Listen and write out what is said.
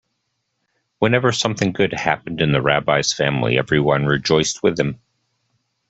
Whenever something good happened in the rabbi's family everyone rejoiced with him.